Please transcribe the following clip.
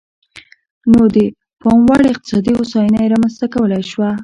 نو د پاموړ اقتصادي هوساینه یې رامنځته کولای شوه.